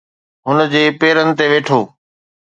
هن جي پيرن تي ويٺو.